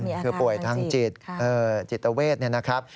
มีอาการทางจิตค่ะคือป่วยทางจิตจิตเอเวทเนี่ยนะครับ